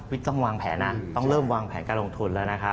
ต้องต้องวางแผนกันต้องวางแผนการลงทุนแล้วนะครับ